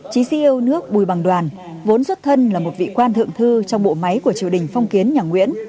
chí di yêu nước bùi bằng đoàn vốn xuất thân là một vị quan thượng thư trong bộ máy của triều đình phong kiến nhà nguyễn